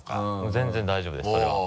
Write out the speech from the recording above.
全然大丈夫ですそれは。